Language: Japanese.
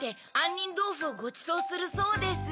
にんどうふをごちそうするそうです。